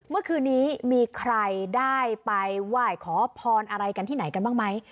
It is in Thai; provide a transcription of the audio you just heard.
เมื่อคืนนี้มีใครได้ไปไหว้ขอพรอะไรกันที่ไหนกันบ้างไหม